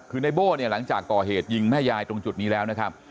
คือในโบ้เนี่ยหลังจากก่อเหตุยิงแม่ยายตรงจุดนี้แล้วนะครับ